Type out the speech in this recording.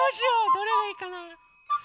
どれがいいかな。